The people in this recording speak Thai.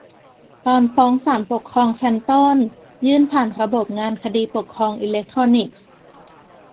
ตอนฟ้องศาลปกครองชั้นต้น ยื่นผ่านระบบงานคดีปกครองอิเล็กทรอนิกส์